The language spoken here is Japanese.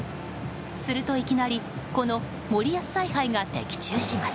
すると、いきなりこの森保采配が的中します。